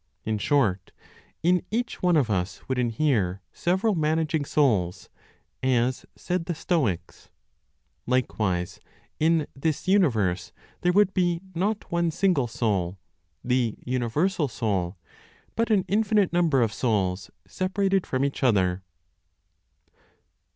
In short, in each one of us would inhere several managing souls (as said the Stoics). Likewise, in this universe, there would be not one single soul (the universal Soul), but an infinite number of souls, separated from each other.